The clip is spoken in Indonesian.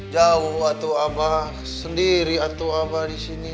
jauh atau abah sendiri atau abah disini